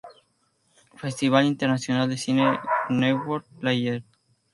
Festival Internacional de Cine Newport Playa.